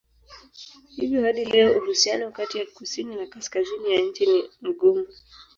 Hivyo hadi leo uhusiano kati ya kusini na kaskazini ya nchi ni mgumu.